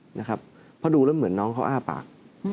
เพราะดูแล้วเหมือนน้องเขาอ้าปาก